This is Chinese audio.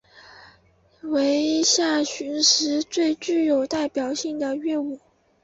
为夏禹时最具代表性的乐舞。